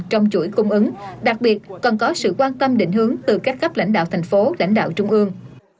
trong chuỗi cung ứng đặc biệt cần có sự quan tâm định hướng từ các cấp lãnh đạo thành phố lãnh đạo trung ương